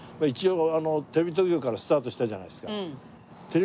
一応テレビ東京からスタートしたじゃないですか。